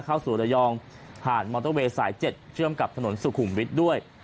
เข้าสู่ระยองผ่านมอเตอร์เวย์สาย๗เชื่อมกับถนนสุขุมวิทย์ด้วย